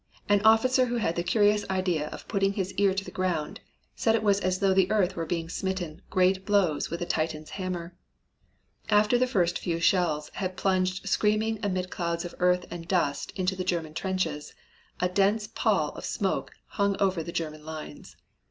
An officer who had the curious idea of putting his ear to the ground said it was as though the earth were being smitten great blows with a Titan's hammer. After the first few shells had plunged screaming amid clouds of earth and dust into the German trenches, a dense pall of smoke hung over the German lines.